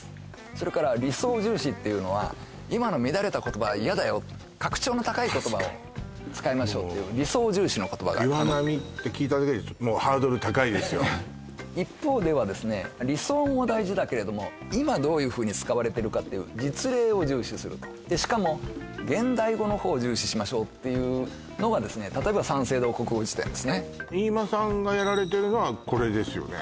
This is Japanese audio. それから理想重視っていうのは「今の乱れた言葉は嫌だよ格調の高い言葉を使いましょう」っていう理想重視の岩波って聞いただけでハードル高い一方では理想も大事だけれども今どういうふうに使われてるかっていう実例を重視するしかも現代語のほうを重視しましょうっていうのが例えば三省堂国語辞典ですね飯間さんがやられてるのはこれですよね